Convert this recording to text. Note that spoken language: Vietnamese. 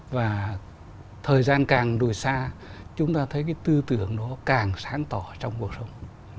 và thời gian càng đổi xa chúng ta thấy cái tư tưởng nó càng sáng tỏa trong cuộc sống